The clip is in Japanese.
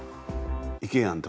「いけやん」。